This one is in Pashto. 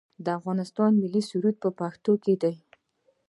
د افغانستان ملي سرود په پښتو دی